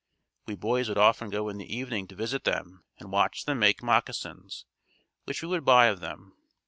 We boys would often go in the evening to visit them and watch them make moccasins, which we would buy of them.